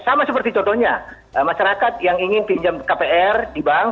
sama seperti contohnya masyarakat yang ingin pinjam kpr di bank